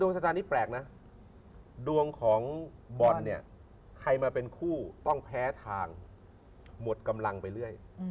สถานการณ์นี้แปลกนะดวงของบอลเนี่ยใครมาเป็นคู่ต้องแพ้ทางหมดกำลังไปเรื่อย